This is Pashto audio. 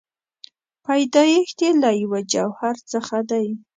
پیدایښت یې له یوه جوهر څخه دی.